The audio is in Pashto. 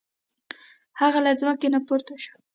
هغه له ځمکې نه پورته شو.